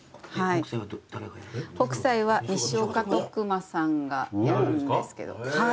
北斎は西岡馬さんがやるんですけどはい。